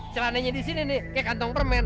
celananya disini nih kayak kantong permen